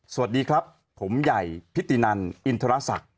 สวัสดีครับผมใหญ่พิธีนันอินทรศักดิ์